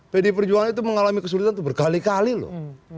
pdi perjuangan itu mengalami kesulitan itu berkali kali loh